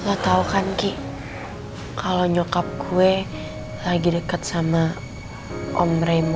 lo tau kan ki kalo nyokap gue lagi deket sama om raymond